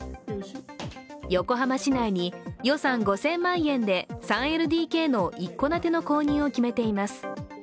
横浜市内に予算５０００万円で３ＬＤＫの一戸建ての購入を決めています。